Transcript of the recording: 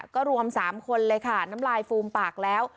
ก็รวม๓คนเลยค่ะน้ำลายฟูมปากแล้ว